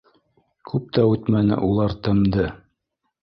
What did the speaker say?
Күп тә үтмәне, улар тымды